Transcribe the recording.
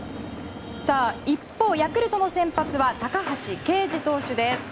一方、ヤクルトの先発は高橋奎二投手です。